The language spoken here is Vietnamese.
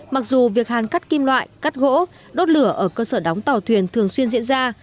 mặc dù việc hàn cắt kim loại cắt gỗ đốt lửa ở cơ sở đóng tàu thuyền thường xuyên diễn ra